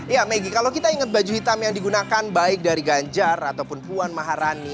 ya maggie kalau kita ingat baju hitam yang digunakan baik dari ganjar ataupun puan maharani